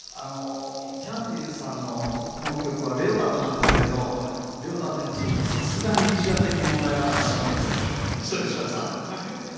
キャンディーズさんのこの曲はレオタードなんですけどレオタードにすると、さすがにビジュアル的に問題があるかなと思いましてこの衣装にしました。